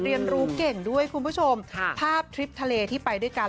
เรียนรู้เก่งด้วยคุณผู้ชมค่ะภาพทริปทะเลที่ไปด้วยกัน